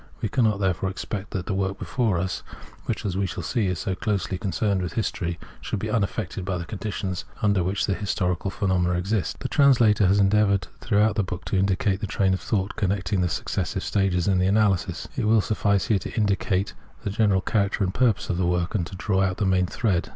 We cannot, therefore, expect that the work before us, which, as we shall see, is so closely concerned with history, should be unaffected by the conditions imder which historical phenomena exist. The translator has endeavoured throughout the book to indicate the train of thought connecting the successive xiv Translator's Introduction stages in the analysis. It will suffice here to indicate the general character and purpose of the work, and to draw out the main thread.